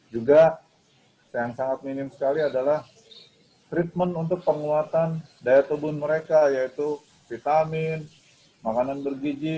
juga yang sangat minim sekali adalah treatment untuk penguatan daya tubuh mereka yaitu vitamin makanan bergiji